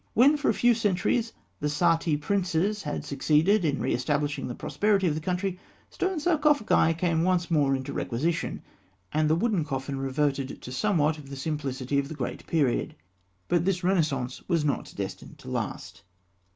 When for a few centuries the Saïte princes had succeeded in re establishing the prosperity of the country, stone sarcophagi came once more into requisition, and the wooden coffin reverted to somewhat of the simplicity of the great period. But this Renaissance was not destined to last.